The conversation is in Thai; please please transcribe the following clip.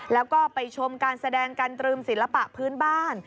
แล้วก็ไปชมการแสดงกันตรึมศิลปะพื้นบ้าน